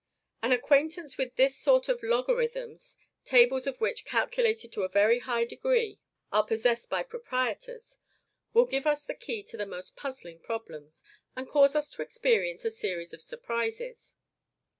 An acquaintance with this sort of LOGARITHMS tables of which, calculated to a very high degree, are possessed by proprietors will give us the key to the most puzzling problems, and cause us to experience a series of surprises.